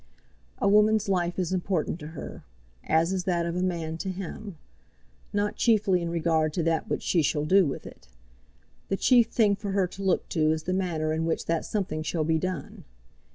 A woman's life is important to her, as is that of a man to him, not chiefly in regard to that which she shall do with it. The chief thing for her to look to is the manner in which that something shall be done.